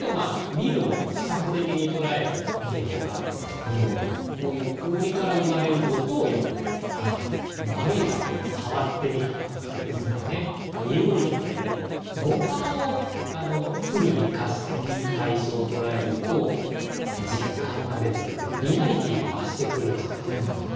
視覚的に捉える傾向があるんですけれどこういう氷から生まれる音を詠んだりですとかあるいは触ってみた感覚ですとかねにおいを嗅いだり五感をフルに生かして対象を捉えると実感が出てくるというかリアリティーが増してくるんじゃないかなと思うんですね。